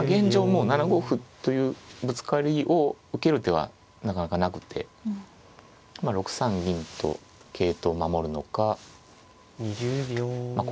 もう７五歩というぶつかりを受ける手はなかなかなくて６三銀と桂頭を守るのかまあ